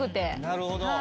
なるほど。